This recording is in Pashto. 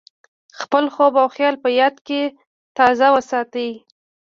خپل خوب او خیال په یاد کې تازه وساتئ.